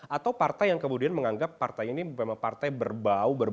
atau partai yang kemudian menganggap partai ini menjadi negara yang lebih besar dan lebih menarik